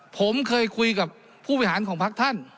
ผมเคยคุยกับผู้บริหารของพักท่าน